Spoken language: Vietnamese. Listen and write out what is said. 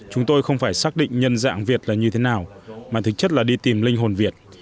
chúng tôi không phải xác định nhân dạng việt là như thế nào mà thực chất là đi tìm linh hồn việt